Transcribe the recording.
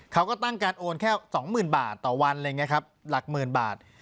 เขาก็ตั้งการโอนแค่๒หมื่นบาทต่อวันเลยไงครับหลักหมื่นบาท